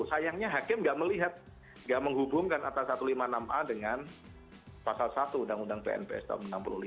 sayangnya hakim nggak melihat nggak menghubungkan atas satu ratus lima puluh enam a dengan pasal satu undang undang pnps tahun seribu sembilan ratus enam puluh lima